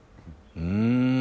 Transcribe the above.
うん。